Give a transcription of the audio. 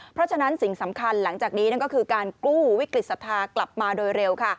เพราะฉะนั้นสิ่งสำคัญหลังจากนี้นั่นก็คือการกู้วิกฤตศรัทธากลับมาโดยเร็ว